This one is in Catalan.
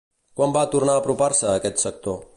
Quan va tornar a apropar-se a aquest sector?